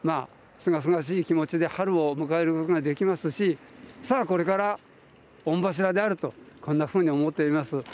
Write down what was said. すがすがしい気持ちで春を迎えることができますしさあ、これから御柱であるとこんなふうに思っています。